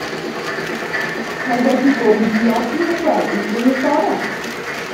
Mae wedi bod yn diogi'n y gwely drwy'r bore.